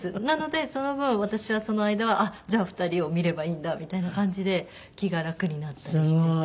なのでその分私はその間じゃあ２人を見ればいいんだみたいな感じで気が楽になったりして。